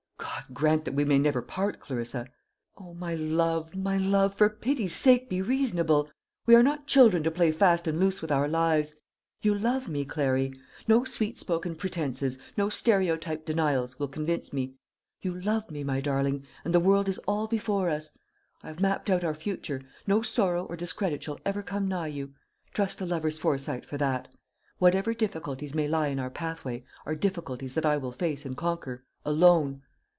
"God grant that we may never part, Clarissa! O, my love, my love, for pity's sake be reasonable! We are not children to play fast and loose with our lives. You love me, Clary. No sweet spoken pretences, no stereotyped denials, will convince me. You love me, my darling, and the world is all before us. I have mapped out our future; no sorrow or discredit shall ever come nigh you trust a lover's foresight for that. Whatever difficulties may lie in our pathway are difficulties that I will face and conquer alone.